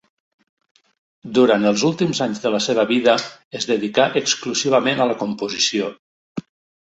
Durant els últims anys de la seva vida es dedicà exclusivament a la composició.